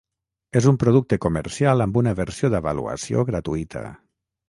És un producte comercial amb una versió d'avaluació gratuïta.